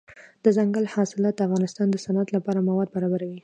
دځنګل حاصلات د افغانستان د صنعت لپاره مواد برابروي.